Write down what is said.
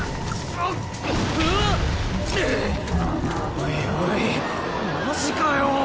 おいおいマジかよ。